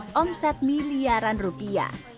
berhubungan miliaran rupiah